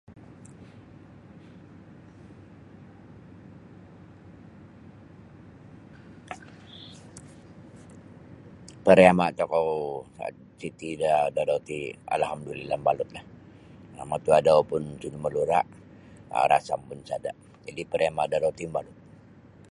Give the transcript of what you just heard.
Pariama tokou siti da dadau ti Alhamdulillah mabalutlah um matu adau pun sinamalura um rasam pun sada jadi pariama da adau ti mabalut.